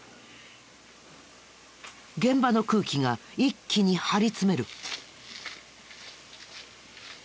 現場の空気が一気に張り詰める。